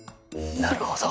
なるほど。